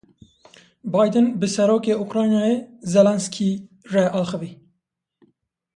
Biden bi Serokê Ukraynayê Zelenskiy re axivî.